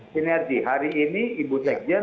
sinergi hari ini ibu sekjen